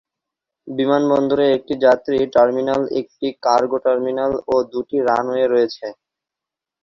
বিমানবন্দরের একটি যাত্রী টার্মিনাল, একটি কার্গো টার্মিনাল এবং দুটি রানওয়ে রয়েছে।